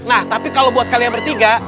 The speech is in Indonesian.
nah tapi kalau buat kalian bertiga